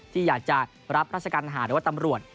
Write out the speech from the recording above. ที่อยากจะรับราชการทหารหรือว่าตำรวจ